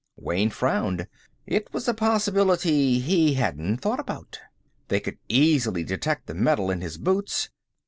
Wayne frowned. It was a possibility he hadn't thought about. They could easily detect the metal in his boots!